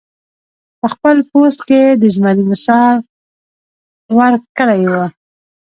پۀ خپل پوسټ کښې د زمري مثال ورکړے وۀ -